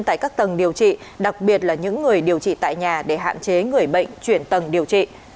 tại các tầng điều trị đặc biệt là những người điều trị tại nhà để hạn chế người bệnh chuyển tầng điều trị